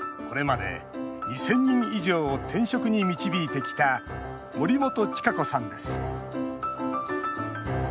これまで２０００人以上を転職に導いてきた森本千賀子さんです。